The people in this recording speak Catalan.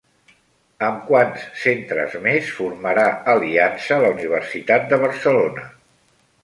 Amb quants centres més formarà aliança la Universitat de Barcelona?